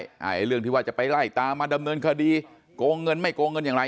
ไอ้เรื่องที่ว่าจะไปไล่ตามมาดำเนินคดีโกงเงินไม่โกงเงินอย่างไร